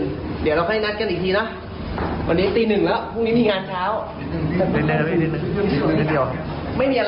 เดี๋ยวเราก็ให้นัดกันอีกทีนะ